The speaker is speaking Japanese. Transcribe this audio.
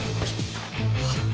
あっ。